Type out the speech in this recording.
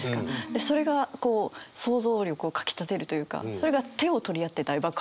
それがこう想像力をかきたてるというかそれが「手を取り合って大爆発」